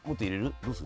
どうする？